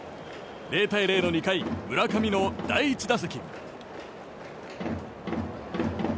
０対０の２回、村上の第１打席。